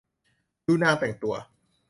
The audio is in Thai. ดูนางแต่งตัว